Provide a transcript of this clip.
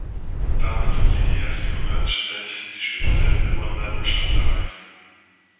Damit sind sie die erste koreanische Band, die die Spitze der Billboard-Album-Charts erreichte.